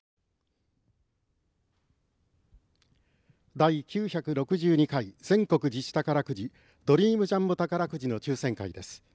第９６２回全国自治宝くじドリームジャンボ宝くじの抽せん会です。